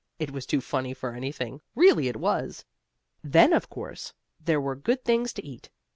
It was too funny for anything, really it was. Then, of course, there were good things to eat.